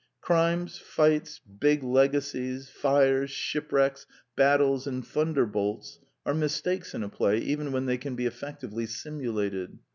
Crimes, fights, big legacies, fires, shipwrecks, battles, and thunder bolts are mistakes in a play, even when they can be effectively simulated.